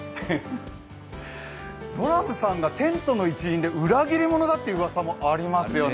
ドラムさんがテントの一員で裏切り者だといううわさもありますよね。